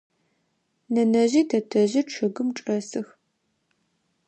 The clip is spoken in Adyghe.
Нэнэжъи тэтэжъи чъыгым чӏэсых.